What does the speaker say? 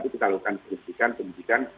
sebenarnya kalau mobilnya kita mandikan